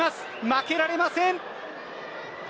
負けられません。